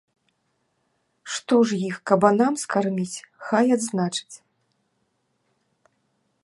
Што ж іх, кабанам скарміць, хай адзначаць?